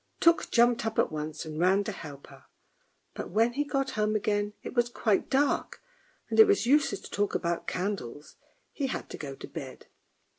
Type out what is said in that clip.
" Tuk jumped up at once and ran to help her, but when he got home again it was quite dark, and it was useless to talk about candles, he had to go to bed.